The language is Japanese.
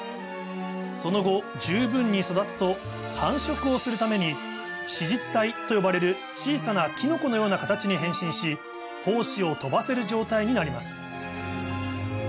その後十分に育つと繁殖をするために子実体と呼ばれる小さなキノコのような形に変身し胞子を飛ばせる状態になります